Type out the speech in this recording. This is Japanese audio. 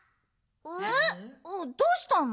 えっどうしたの？